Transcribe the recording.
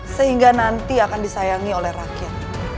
sehingga nanti akan disayangi oleh rakyat